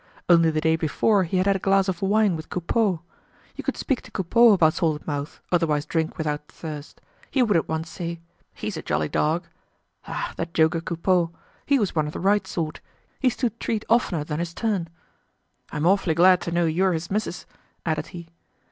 Only the day before he had had a glass of wine with Coupeau. You could speak to Coupeau about Salted Mouth, otherwise Drink without Thirst; he would at once say: "He's a jolly dog!" Ah! that joker Coupeau! He was one of the right sort; he stood treat oftener than his turn. "I'm awfully glad to know you're his missus," added he.